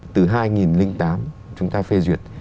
từ hai nghìn tám chúng ta phê duyệt